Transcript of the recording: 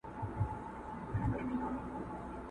هوښ له سره د چا ځي چي یې لیدلې؛